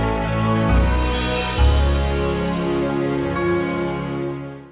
mari nanda prabu